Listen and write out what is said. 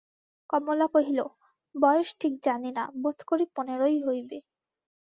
কমলা কহিল, বয়স ঠিক জানি না, বোধ করি, পনেরোই হইবে।